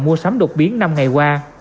mua sắm đột biến năm ngày qua